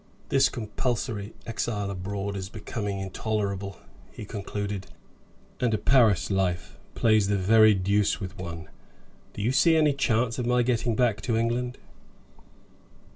"This compulsory exile abroad is becoming intolerable," he concluded; "and a Paris life plays the very deuce with one. Do you see any chance of my getting back to England?"